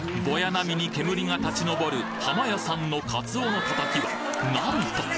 並みに煙が立ち上るハマヤさんのカツオのたたきはなんと！